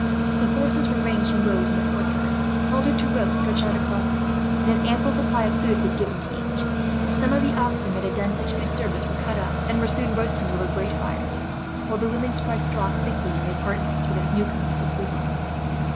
The horses were ranged in rows, in the courtyard, haltered to ropes stretched across it; and an ample supply of food was given to each. Some of the oxen that had done such good service were cut up, and were soon roasting over great fires; while the women spread straw thickly, in the largest apartments, for the newcomers to sleep on.